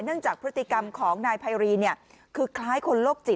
หนึ่งจากพฤติกรรมของนายไพรีคือคล้ายคนโลกจิต